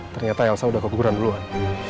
ternyata elsa udah keguguran duluan